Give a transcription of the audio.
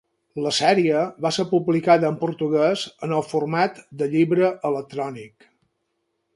La sèrie va ser publicada en portuguès en el format de llibre electrònic.